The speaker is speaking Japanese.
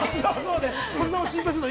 ◆小手さんも心配するの。